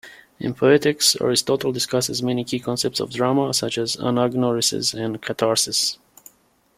In "Poetics", Aristotle discusses many key concepts of drama, such as anagnorisis and catharsis.